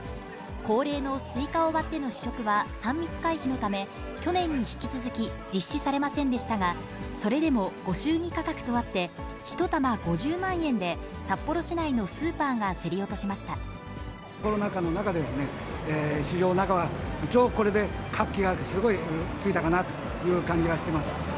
恒例のスイカを割っての試食は３密回避のため、去年に引き続き実施されませんでしたが、それでもご祝儀価格とあって、１玉５０万円で、札幌市内のスーコロナ禍の中で、市場の中が、一応これで活気はすごいついたかなという感じはします。